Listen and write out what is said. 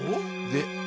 で